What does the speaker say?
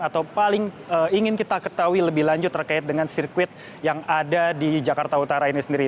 atau paling ingin kita ketahui lebih lanjut terkait dengan sirkuit yang ada di jakarta utara ini sendiri